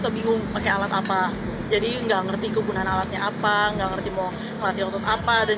kebingung pakai alat apa jadi nggak ngerti kegunaan alatnya apa enggak ngerti mau ngelatih untuk apa dan